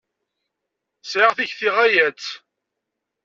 Sɛiɣ takti ɣaya-tt.